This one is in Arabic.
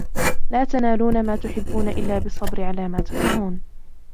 لَا تَنَالُونَ مَا تُحِبُّونَ إلَّا بِالصَّبْرِ عَلَى مَا تَكْرَهُونَ